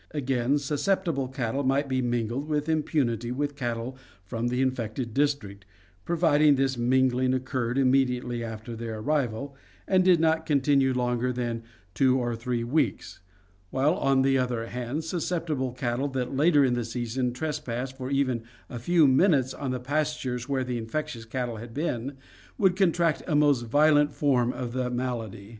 Again, susceptible cattle might be mingled with impunity with cattle from the infected district, providing this mingling occurred immediately after their arrival, and did not continue longer than two or three weeks; while, on the other hand, susceptible cattle that later in the season trespassed for even a few minutes on the pastures where the infectious cattle had been would contract a most violent form of the malady.